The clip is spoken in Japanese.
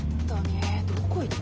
どこ行った？